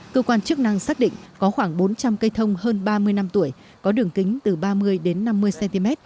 cơ quan chức năng xác định có khoảng bốn trăm linh cây thông hơn ba mươi năm tuổi có đường kính từ ba mươi đến năm mươi cm